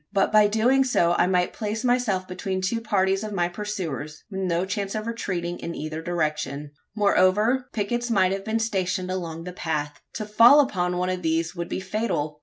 But by doing so I might place myself between two parties of my pursuers, with no chance of retreating in either direction. Moreover, pickets might have been stationed along the path. To fall upon one of these would be fatal.